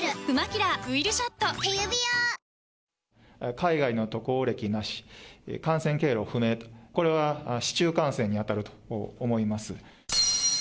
海外の渡航歴なし、感染経路不明、これは市中感染に当たると思います。